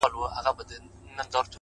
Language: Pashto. • كه زړه يې يوسې و خپل كور ته گراني ؛